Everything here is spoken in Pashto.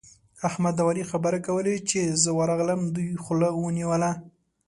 احمد او علي خبرې کولې؛ چې زه ورغلم، دوی خوله ونيوله.